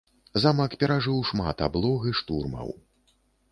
Замак перажыў шмат аблог і штурмаў.